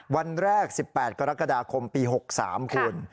วันแรก๑๘กรกฎาคมปี๖๓คุณ